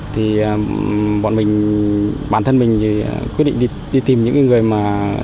thì bọn mình bản thân mình thì quyết định đi tìm những người mà